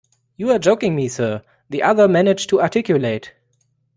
You're joking me, sir, the other managed to articulate.